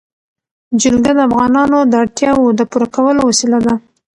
جلګه د افغانانو د اړتیاوو د پوره کولو وسیله ده.